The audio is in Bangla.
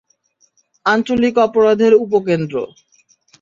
আঞ্চলিক অপরাধের উপকেন্দ্র।